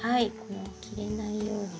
切れないように。